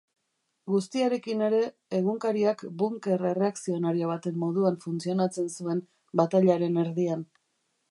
Guztiarekin ere, egunkariak bunker erreakzionario baten moduan funtzionatzen zuen batailaren erdian.